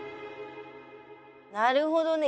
なるほどね。